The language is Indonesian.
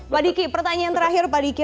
pak diki pertanyaan terakhir pak diki